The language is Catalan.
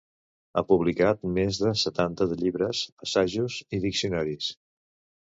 Ha publicat més de setanta de llibres, assajos i diccionaris.